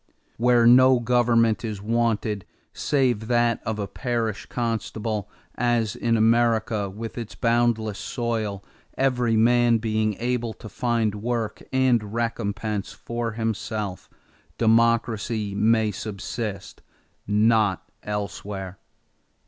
Where no government is wanted, save that of the parish constable, as in America with its boundless soil, every man being able to find work and recompense for himself, democracy may subsist; not elsewhere."